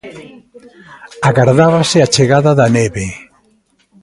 Agardábase a chegada da neve.